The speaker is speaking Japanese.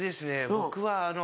僕はあの。